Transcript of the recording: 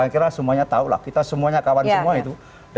saya kira semuanya tahu lah kita semuanya kawan semua itu